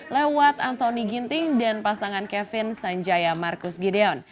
lewat antoni ginting dan pasangan kevin sanjaya marcus gideon